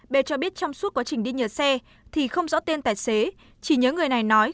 b cho biết trong suốt quá trình đi nhờ xe thì không rõ tên tài xế chỉ nhớ người này nói